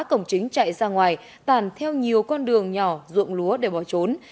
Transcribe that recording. ở ngoài tàn theo nhiều con đường nhỏ dụng lúa để bỏ trốn